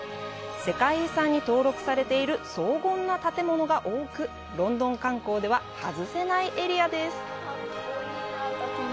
世界遺産に登録されている荘厳な建物が多く、ロンドン観光では外せないエリアです。